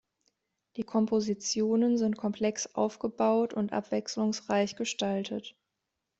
Die Kompositionen sind komplex aufgebaut und abwechslungsreich gestaltet.